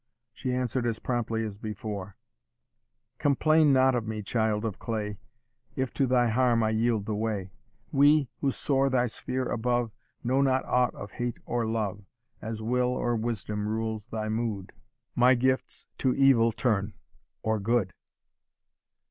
She answered as promptly as before, "Complain not of me, child of clay, If to thy harm I yield the way. We, who soar thy sphere above, Know not aught of hate or love; As will or wisdom rules thy mood, My gifts to evil turn, or good."